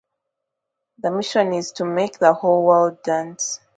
The mission is to make the whole world dance.